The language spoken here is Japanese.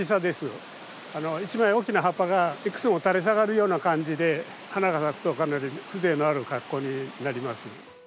一枚大きな葉っぱがいくつも垂れ下がるような感じで花が咲くとかなり風情のある格好になります。